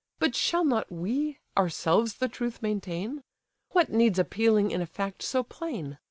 But shall not we, ourselves, the truth maintain? What needs appealing in a fact so plain?